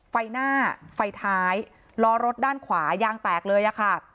ไฟหน้าไฟท้ายล้อรถด้านขวายางแตกเลยอะค่ะ